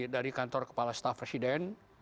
dari kantor kepala staf presiden